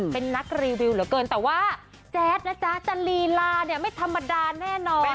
เป็นนักรีวิวเหลือเกินแต่ว่าแจ๊ดนะจ๊ะจะลีลาเนี่ยไม่ธรรมดาแน่นอน